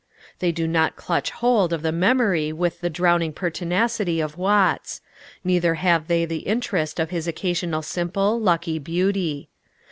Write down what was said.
They do not clutch hold of the memory with the drowning pertinacity of Watts; neither have they the interest of his occasional simple, lucky beauty.